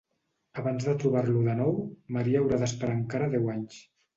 Abans de trobar-lo de nou, Maria haurà d'esperar encara deu anys.